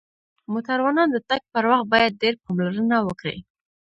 موټروانان د تک پر وخت باید ډیر پاملرنه وکړی